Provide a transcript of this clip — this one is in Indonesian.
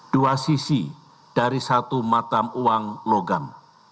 dua sisi dari satu matam uang logam